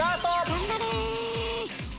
頑張れ！